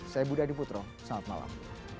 saya budi adiputro selamat malam